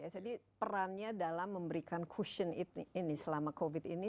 jadi perannya dalam memberikan cushion ini selama covid ini